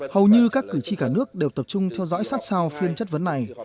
hầu như các cử tri cả nước đều tập trung theo dõi sát sao phiên chất vấn này